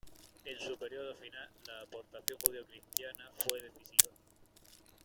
En su periodo final, la aportación judeocristiana fue decisiva.